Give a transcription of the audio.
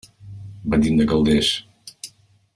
Venim de Calders.